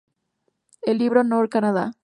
El libro "Noir Canada.